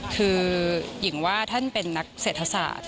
คือหญิงว่าท่านเป็นนักเศรษฐศาสตร์